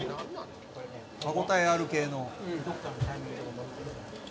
歯応えある系の。